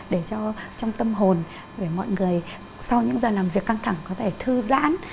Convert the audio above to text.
để cho trong tâm hồn để mọi người sau những giờ làm việc căng thẳng có thể thư giãn